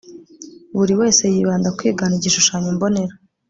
buri wese yibanda kwigana igishushanyo mbonera